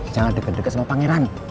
jangan deket deket sama pangeran